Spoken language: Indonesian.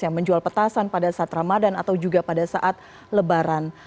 yang menjual petasan pada saat ramadan atau juga pada saat lebaran